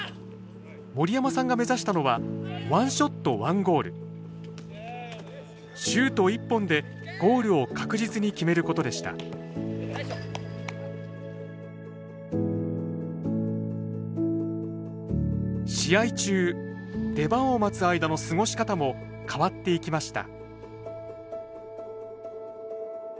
森山さんが目指したのはシュート１本でゴールを確実に決めることでした試合中出番を待つ間の過ごし方も変わっていきました